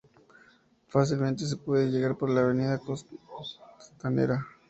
Fácilmente se puede llegar por la avenida Costanera.